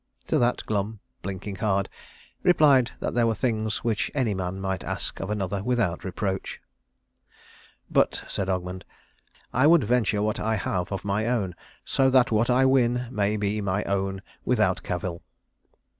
To that Glum, blinking hard, replied that there were things which any man might ask of another without reproach. "But," said Ogmund, "I would venture what I have of my own, so that what I win may be my own without cavil."